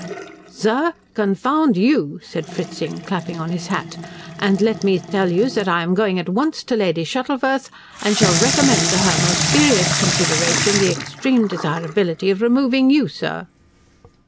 "Sir, confound you," said Fritzing, clapping on his hat. "And let me tell you that I am going at once to Lady Shuttleworth and shall recommend to her most serious consideration the extreme desirability of removing you, sir."